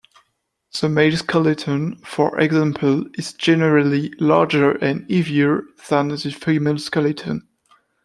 The male skeleton, for example, is generally larger and heavier than the female skeleton.